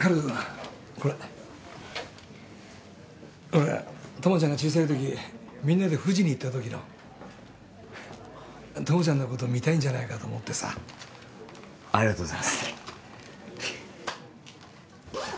温人君これほら友ちゃんが小さい時みんなで富士に行った時の友ちゃんのこと見たいんじゃないかと思ってさありがとうございますあっこの方は？